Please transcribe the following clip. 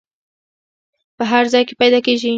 په هر ځای کې پیدا کیږي.